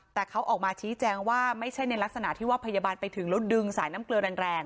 แต่เขาออกมาชี้แจงว่าไม่ใช่ในลักษณะที่ว่าพยาบาลไปถึงแล้วดึงสายน้ำเกลือแรง